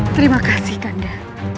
terima kasih kanda